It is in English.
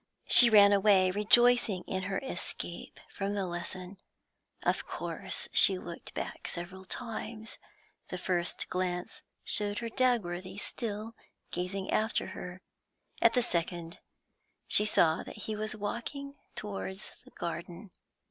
She ran away, rejoicing in her escape from the lesson, Of course she looked back several times; the first glance showed her Dagworthy still gazing after her, at the second she saw that he was walking towards the garden.